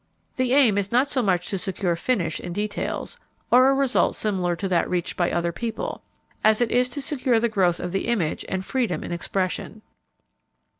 The aim is not so much to secure finish in details, or a result similar to that reached by other people, as it is to secure the growth of the image and freedom in expression.